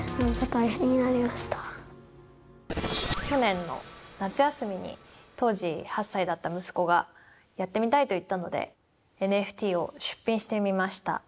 去年の夏休みに当時８歳だった息子がやってみたいと言ったのでＮＦＴを出品してみました。